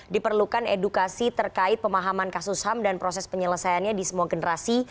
diperlukan edukasi terkait pemahaman kasus ham dan proses penyelesaiannya di semua generasi